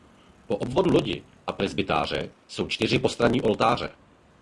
Po obvodu lodi a presbytáře jsou čtyři postranní oltáře.